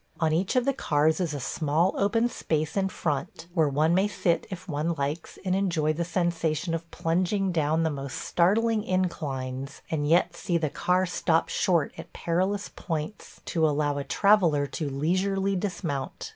On each of the cars is a small open space in front where one may sit if one likes and enjoy the sensation of plunging down the most startling inclines and yet see the car stop short at perilous points to allow a traveller to leisurely dismount.